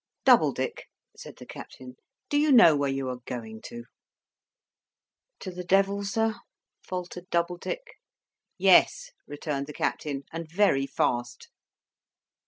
"Doubledick," said the Captain, "do you know where you are going to?" "To the Devil, sir?" faltered Doubledick. "Yes," returned the Captain. "And very fast."